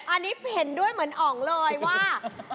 อันนี้เห็นด้วยเหมือนอ๋องเลยว่า